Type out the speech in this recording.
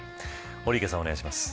堀池さん、お願いします。